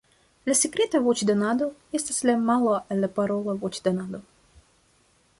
La sekreta voĉdonado estas la malo al la parola voĉdonado.